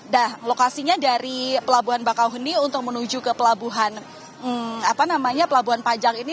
nah lokasinya dari pelabuhan bakauhundi untuk menuju ke pelabuhan apa namanya pelabuhan panjang ini